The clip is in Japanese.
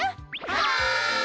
はい！